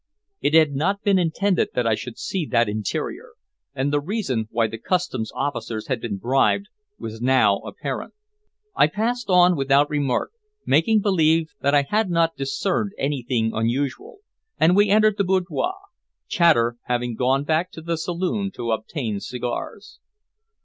It had not been intended that I should see that interior, and the reason why the Customs officers had been bribed was now apparent. I passed on without remark, making believe that I had not discerned anything unusual, and we entered the boudoir, Chater having gone back to the saloon to obtain cigars.